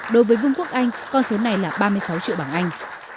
đối với vương quốc anh con số này là ba mươi sáu triệu bảng anh